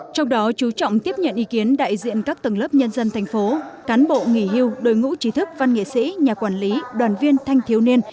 trong đó chú trọng tiếp nhận ý kiến đại diện các tầng lớp nhân dân thành phố cán bộ nghỉ hưu đối ngũ trí thức văn nghệ sĩ nhà quản lý đoàn viên thanh thiếu niên